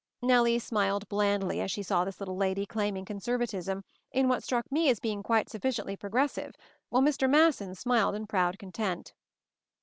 Nellie smiled blandly as she saw this little lady claiming conservatism in what struck me as being quite sufficiently progressive, while Mr. Masson smiled in proud content.